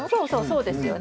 そうですよね。